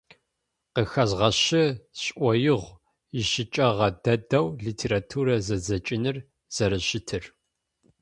Къыхэзгъэщы сшӏоигъу ищыкӏэгъэ дэдэу литературэ зэдзэкӏыныр зэрэщытыр.